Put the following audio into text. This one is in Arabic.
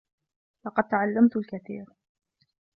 لقد تعلّمت الكثير.